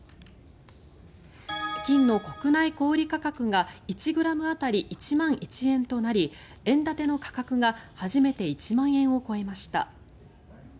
金の国内小売価格が１ｇ当たり１万１円となり円建ての価格が初めて１万円を超えました。